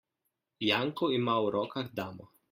Janko ima v rokah damo.